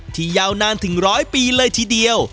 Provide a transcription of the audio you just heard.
ที่ยาวนานถึง๑๐๐ปีเลยทีเดียว